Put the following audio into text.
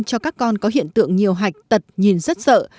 cho các con có hiện tượng nhiều hạch tật nhìn rất sợ